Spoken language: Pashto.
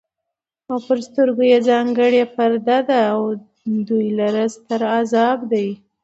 او پر سترگو ئې ځانگړې پرده ده او دوى لره ستر عذاب دی